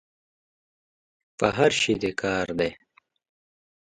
په هر شي دي کار دی.